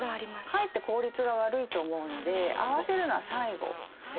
かえって効率が悪いと思うので会わせるのは最後ですよね。